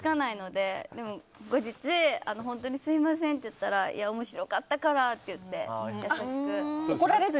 でも後日本当にすみませんと言ったらいや、面白かったからって言って優しく。